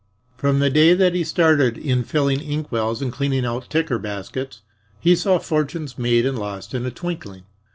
From the day that he started in filling inkwells and cleaning out ticker baskets, he saw fortunes made and lost in a twinkling.